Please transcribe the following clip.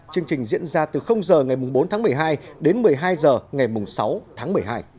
chương trình diễn ra từ h ngày bốn tháng một mươi hai đến một mươi hai h ngày sáu tháng một mươi hai